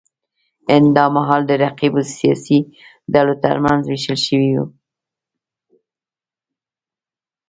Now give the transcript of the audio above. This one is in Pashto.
هند دا مهال د رقیبو سیاسي ډلو ترمنځ وېشل شوی و.